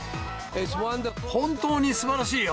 本当にすばらしいよ。